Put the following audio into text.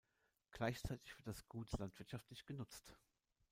Gleichzeitig wird das Gut landwirtschaftlich genutzt.